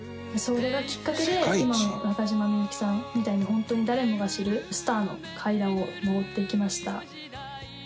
それがきっかけで今の中島みゆきさんみたいな本当に誰もが知るスターの階段を上っていきました。